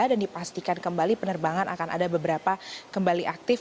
dan dipastikan kembali penerbangan akan ada beberapa kembali aktif